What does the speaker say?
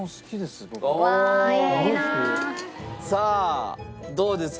さあどうですか？